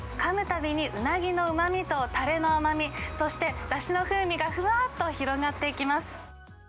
たびにうなぎのうまみとたれの甘み、そしてだしの風味がふわっと広がっていきます。